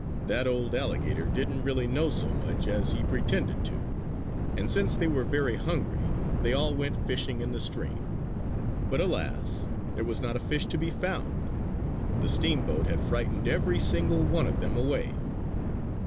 That old alligator didn't really know so much as he pretended to! And since they were very hungry they all went fishing in the stream. But alas! There was not a fish to be found! The steamboat had frightened every single one of them away.